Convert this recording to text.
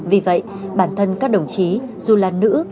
vì vậy bản thân các đồng chí dù là nữ